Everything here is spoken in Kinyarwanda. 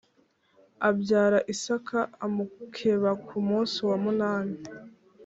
abyara Isaka amukeba ku munsi wa munani